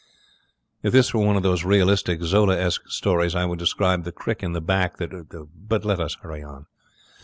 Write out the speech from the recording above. If this were one of those realistic Zolaesque stories I would describe the crick in the back that but let us hurry on.